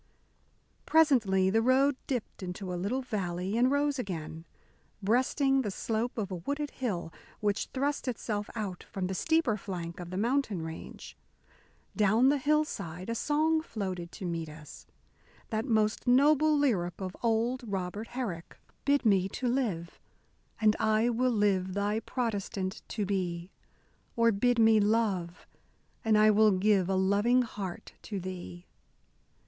Presently the road dipped into a little valley and rose again, breasting the slope of a wooded hill which thrust itself out from the steeper flank of the mountain range. Down the hill side a song floated to meet us that most noble lyric of old Robert Herrick: Bid me to live, and I will live Thy Protestant to be; Or bid me love, and I will give A loving heart to thee.